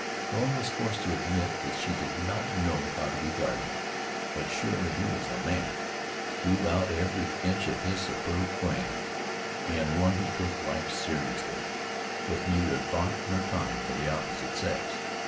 Helen was forced to admit that she did not know how to regard him, but surely he was a man, throughout every inch of his superb frame, and one who took life seriously, with neither thought nor time for the opposite sex.